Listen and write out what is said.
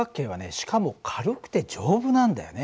しかも軽くて丈夫なんだよね。